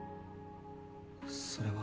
それは。